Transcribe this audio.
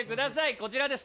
こちらです。